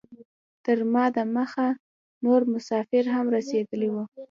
تر ما دمخه نور مسافر هم رسیدلي وو.